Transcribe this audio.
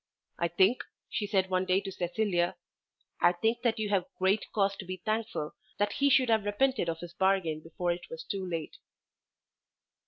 "I think," she said one day to Cecilia, "I think that you have great cause to be thankful that he should have repented of his bargain before it was too late."